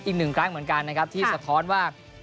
อีกหนึ่งครั้งเหมือนกันนะครับที่สะท้อนว่า